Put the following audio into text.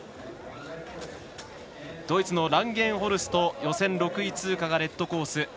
ドイツのランゲンホルスト予選６位通過が、レッドコース。